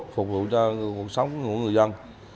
phục vụ cho cuộc sống của người dân